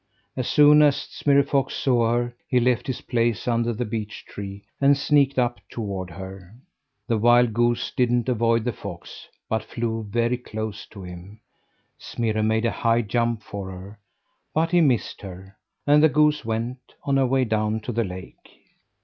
As soon as Smirre Fox saw her, he left his place under the beech tree, and sneaked up toward her. The wild goose didn't avoid the fox, but flew very close to him. Smirre made a high jump for her but he missed her; and the goose went on her way down to the lake.